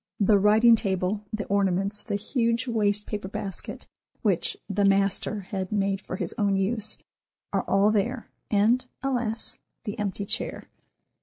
The writing table, the ornaments, the huge waste paper basket, which "the master" had made for his own use, are all there, and, alas, the empty chair!